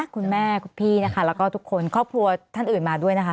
คุณแม่คุณพี่นะคะแล้วก็ทุกคนครอบครัวท่านอื่นมาด้วยนะคะ